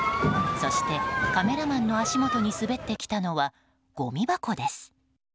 そして、カメラマンの足元に滑ってきたのは、ごみ箱です。